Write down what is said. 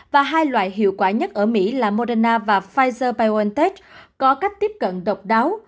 và hai loại hiệu quả nhất ở mỹ là moderna và pfizer biontech có cách tiếp cận độc đáo